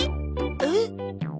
えっ？